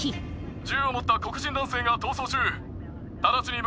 銃を持った黒人男性が逃走中。